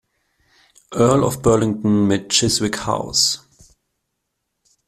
Earl of Burlington mit Chiswick House.